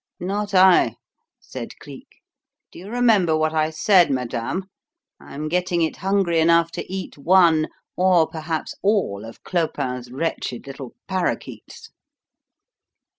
"Not I," said Cleek. "Do you remember what I said, madame? I am getting it hungry enough to eat one or perhaps all of Clopin's wretched little parakeets."